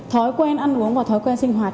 thói quen ăn uống và thói quen sinh hoạt